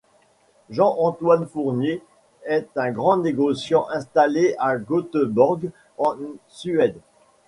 Jean Antoine Fournier est un négociant installé à Göteborg en Suède.